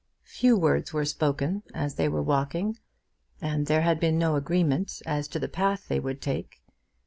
Few words were spoken as they were walking, and there had been no agreement as to the path they would take.